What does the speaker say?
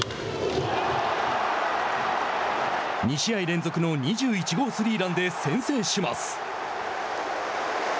２試合連続の２１号スリーランで先制します。